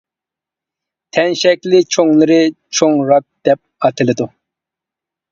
تەن شەكلى چوڭلىرى چوڭ راك دەپ ئاتىلىدۇ.